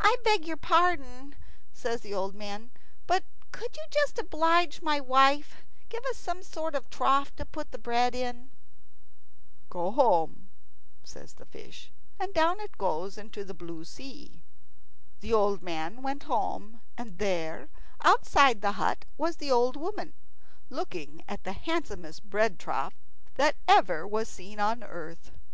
"I beg your pardon," says the old man, "but could you, just to oblige my wife, give us some sort of trough to put the bread in?" "Go home," says the fish; and down it goes into the blue sea. The old man went home, and there, outside the hut, was the old woman, looking at the handsomest bread trough that ever was seen on earth.